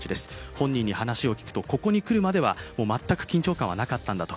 本人に話を聞くと、ここに来るまでは全く緊張感はなかったんだと。